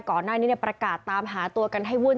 ก่อนหน้านี้ประกาศตามหาตัวกันให้วุ่น